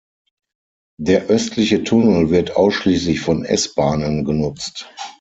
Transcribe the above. Der östliche Tunnel wird ausschließlich von S-Bahnen genutzt.